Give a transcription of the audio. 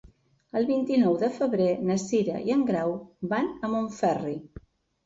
El vint-i-nou de febrer na Cira i en Grau van a Montferri.